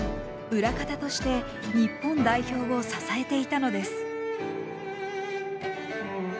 裏方として日本代表を支えていたのです。